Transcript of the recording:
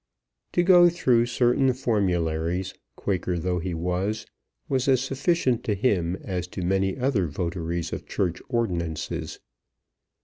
To go through certain formularies, Quaker though he was, was as sufficient to him as to many other votaries of Church ordinances.